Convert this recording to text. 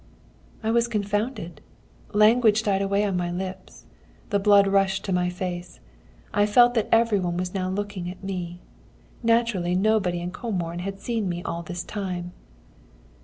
"I was confounded. Language died away on my lips. The blood rushed to my face. I felt that every one was now looking at me. Naturally nobody in Comorn had seen me all this time.